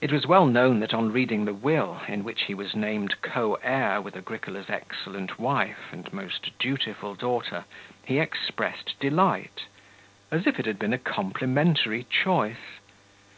It was well known that on reading the will, in which he was named co heir with Agricola's excellent wife and most dutiful daughter, he expressed delight, as if it had been a complimentary choice.